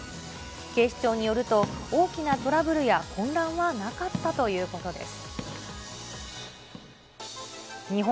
警視庁によると、大きなトラブルや混乱はなかったということです。